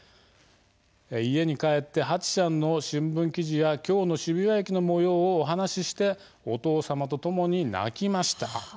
家に帰ってハチちゃんの新聞記事や今日の渋谷駅のもようをお話ししてお父様とともに泣きました。